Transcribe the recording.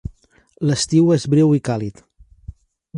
L'estiu és breu i càlid.